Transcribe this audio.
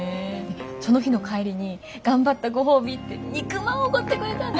その日の帰りに頑張ったご褒美って肉まんおごってくれたんですよ！